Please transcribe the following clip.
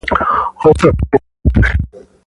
Otros pequeños peces.